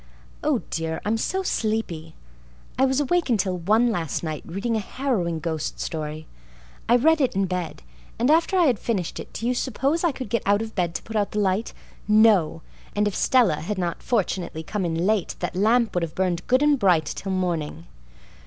Oh, dear, I'm so sleepy. I was awake until one last night, reading a harrowing ghost story. I read it in bed, and after I had finished it do you suppose I could get out of bed to put the light out? No! And if Stella had not fortunately come in late that lamp would have burned good and bright till morning.